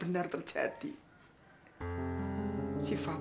kenapa terjadi nanti pak